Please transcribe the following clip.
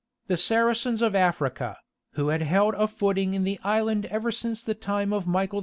The Saracens of Africa, who had held a footing in the island ever since the time of Michael II.